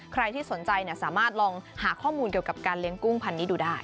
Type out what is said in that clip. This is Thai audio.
ใครที่สนใจสามารถลองหาข้อมูลเกี่ยวกับการเลี้ยงกุ้งพันนี้ดูได้